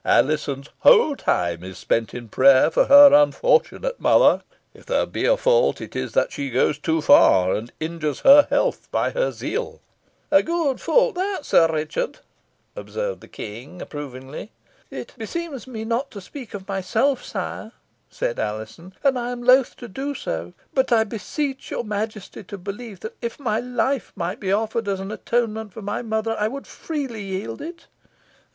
"Alizon's whole time is spent in prayer for her unfortunate mother. If there be a fault it is that she goes too far, and injures her health by her zeal." "A gude fault that, Sir Richard," observed the King, approvingly. "It beseems me not to speak of myself, sire," said Alizon, "and I am loth to do so but I beseech your majesty to believe, that if my life might be offered as an atonement for my mother, I would freely yield it."